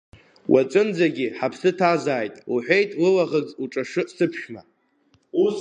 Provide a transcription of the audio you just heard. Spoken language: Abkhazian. Уаҵәынӡагьы ҳаԥсы ҭазааит, — лҳәеит лылаӷырӡ лҿашы сыԥшәма.